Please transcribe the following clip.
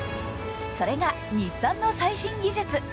それが日産の最新技術。